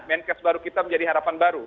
menkes baru kita menjadi harapan baru